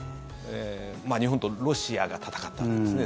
日本とロシアが戦ったわけですね